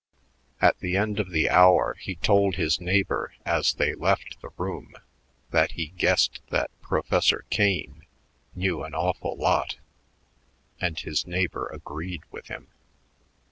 At the end of the hour he told his neighbor as they left the room that he guessed that Professor Kane knew an awful lot, and his neighbor agreed with him.